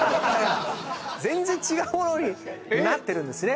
全然違うものになってるんですね